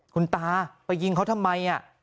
คุณตาไปยิงเขาทำไม